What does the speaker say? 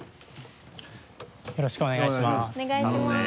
よろしくお願いします。